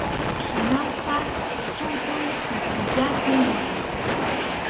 Hinaspas sunqun ukhullapi nin.